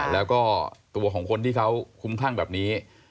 แล้วก็ตัวของคนที่เขาคุ้มคลั่งแบบนี้